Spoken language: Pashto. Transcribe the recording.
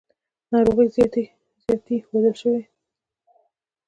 ناروغۍ زیاتې ښودل شوې.